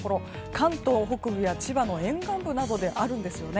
関東北部や千葉の沿岸部であるんですよね。